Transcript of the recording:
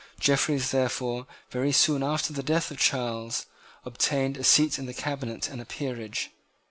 Jeffreys, therefore, very soon after the death of Charles, obtained a seat in the cabinet and a peerage.